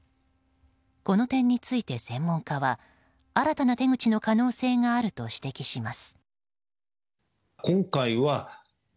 この点について専門家は新たな手口の可能性があると指摘します。